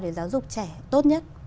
để giáo dục trẻ tốt nhất